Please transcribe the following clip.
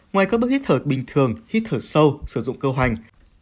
ngoài các bước hít thở bình thường hít thở sâu sử dụng cơ hoảnh